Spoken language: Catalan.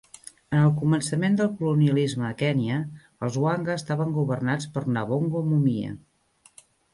En el començament del colonialisme a Kenya, els Wanga estaven governats per Nabongo Mumia.